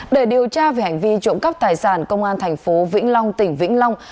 để điều tra về hành vi trộm cắp tài sản công an thành phố vĩnh long tỉnh vĩnh long